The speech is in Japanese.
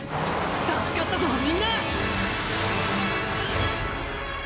助かったぞみんな！